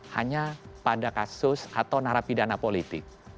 hanya pada kasus atau narapidana politik